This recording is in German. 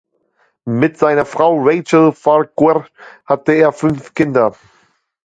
Mit seiner Frau Rachel Farquhar hatte er fünf Kinder.